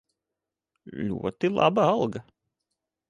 Ļoti laba alga.